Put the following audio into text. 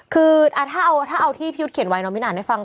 คือถ้าเอาที่พี่ยุทธเขียนไว้น้องมินอ่านให้ฟัง